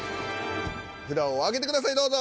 札を挙げてくださいどうぞ。